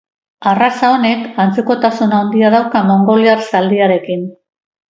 Arraza honek antzekotasun handia dauka mongoliar zaldiarekin.